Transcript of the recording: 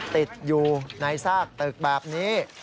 ติดอยู่ในซากตึกแบบนี้